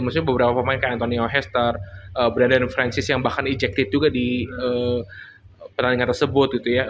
maksudnya beberapa pemain kayak antonio hester brandon francis yang bahkan ejected juga di pertandingan tersebut gitu ya